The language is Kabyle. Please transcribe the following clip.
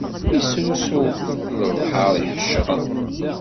Isrusu lebḥer iḥecren.